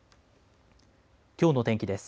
きょうの天気です。